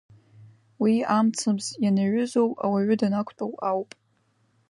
Уи амцабз ианаҩызоу ауаҩы данақәтәоу ауп.